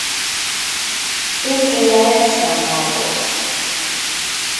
Székhelye San Marcos.